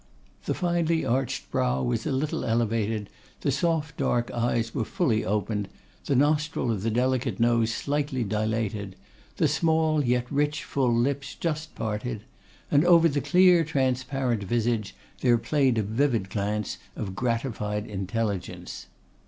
The finely arched brow was a little elevated, the soft dark eyes were fully opened, the nostril of the delicate nose slightly dilated, the small, yet rich, full lips just parted; and over the clear, transparent visage, there played a vivid glance of gratified intelligence.